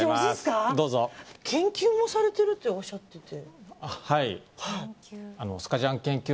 研究もされているとおっしゃっていて。